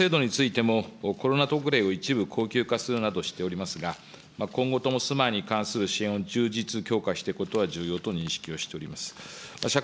この制度についても、コロナ特例を一部恒久化するなどしておりますが、今後とも住まいに関する支援を充実、強化していくことは重要と認識をしております。